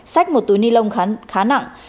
sách một túi ni lông khá nặng